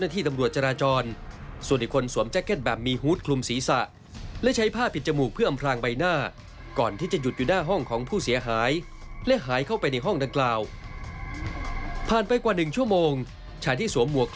ติดตามเรื่องนี้จากรายงานครับ